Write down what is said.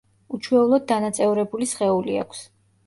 უჩვეულოდ დანაწევრებული სხეული აქვს.